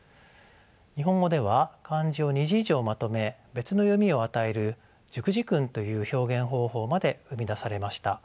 日本語では漢字を２字以上まとめ別の読みを与える熟字訓という表現方法まで生み出されました。